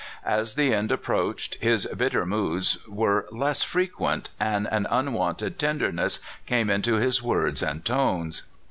As the end approached, his bitter moods were less frequent, and an unwonted tenderness came into his words and tones.